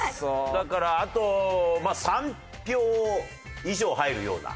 だからあと３票以上入るような。